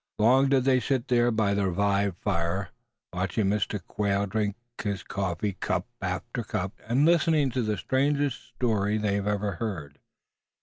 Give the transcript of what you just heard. Long did they sit there by the revived fire, watching Mr. Quail drink his coffee, cup after cup, and listening to the strangest story they had ever heard.